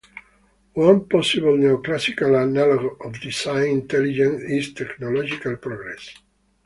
One possible neoclassical analogue of design intelligence is technological progress.